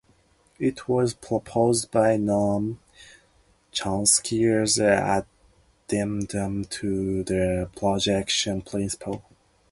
It was proposed by Noam Chomsky as an addendum to the Projection Principle.